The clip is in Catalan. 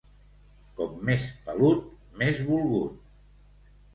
Com més pelut, més volgut.